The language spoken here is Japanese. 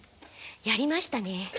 やりましたね。